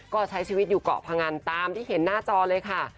ก็ใช้ชีวิตอยู่เกาะพงันตามที่เห็นหน้าจอเลยค่ะ